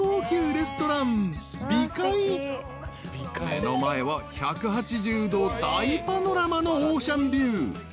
［目の前は１８０度大パノラマのオーシャンビュー］